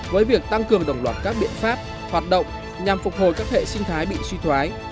với việc tăng cường đồng loạt các biện pháp hoạt động nhằm phục hồi các hệ sinh thái bị suy thoái